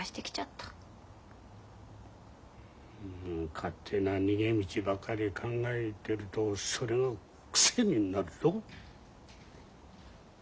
勝手な逃げ道ばかり考えてるとそれが癖になるぞ。